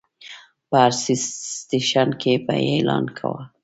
په هر سټیشن کې به یې اعلان کاوه.